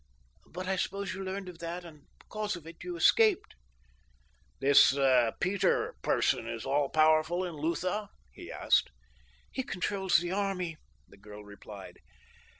But I suppose you learned of that, and because of it you escaped!" "This Peter person is all powerful in Lutha?" he asked. "He controls the army," the girl replied.